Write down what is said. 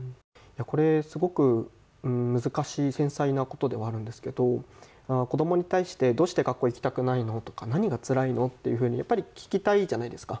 これ、すごく難しい繊細なことではあるんですけど子どもに対して、どうして学校に行きたくないのとか何がつらいのっていうふうにやっぱり聞きたいじゃないですか。